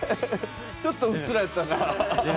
ちょっとうっすらやったな。